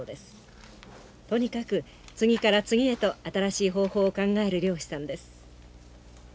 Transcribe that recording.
とにかく次から次へと新しい方法を考える漁師さんです。